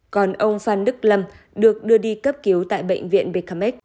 còn ông phan đức lâm được đưa đi cấp cứu tại bệnh viện becamec